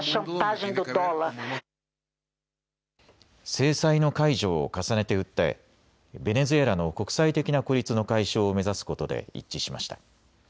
制裁の解除を重ねて訴えベネズエラの国際的な孤立の解消を目指すことで一致しました。